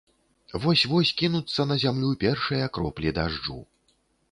Вось-вось кінуцца на зямлю першыя кроплі дажджу.